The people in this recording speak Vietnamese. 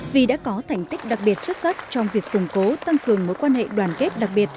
vì đã có thành tích đặc biệt xuất sắc trong việc củng cố tăng cường mối quan hệ đoàn kết đặc biệt